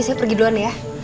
saya pergi duluan ya